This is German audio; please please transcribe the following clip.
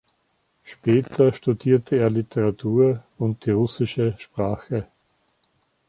Später studierte er Literatur und die Russische Sprache.